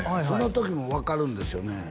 その時も分かるんですよね